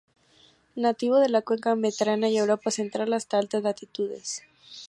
Nativo de la cuenca mediterránea y Europa central, hasta altas latitudes.